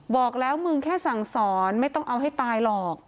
บอกแล้วมึงแค่สั่งสอนไม่ต้องเอาให้ตายหรอก